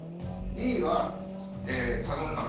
２位は加納さん。